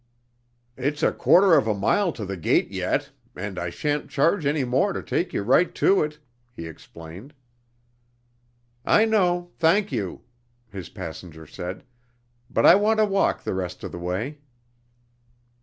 "It's a quarter of a mile to the gate yet. And I shan't charge any more to take you right to it," he explained. "I know thank you!" his passenger said. "But I want to walk the rest of the way."